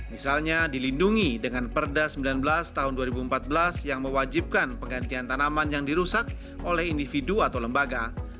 misalnya dilindungi dengan perda sembilan belas tahun dua ribu empat belas yang mewajibkan penggantian tanaman yang dirusak oleh individu atau lembaga